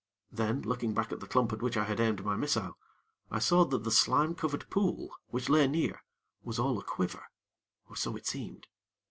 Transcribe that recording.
Then, looking back at the clump at which I had aimed my missile, I saw that the slime covered pool, which lay near, was all a quiver, or so it seemed.